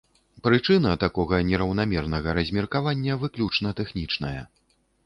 Прычына такога нераўнамернага размеркавання выключна тэхнічная.